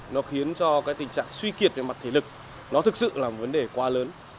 nó khiến cho cái tình trạng suy kiệt về mặt thể lực nó thực sự là một vấn đề quá lớn